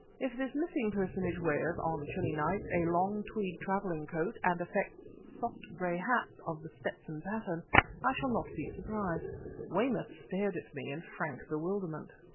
If this missing personage wears, on chilly nights, a long tweed traveling coat and affects soft gray hats of the Stetson pattern, I shall not be surprised." Weymouth stared at me in frank bewilderment.